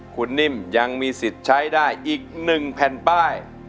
คุณนิ่มยังมีสิทธิ์ใช้ได้อีก๑แผ่นป้าย